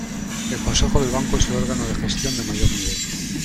El consejo del Banco es el órgano de gestión de mayor nivel.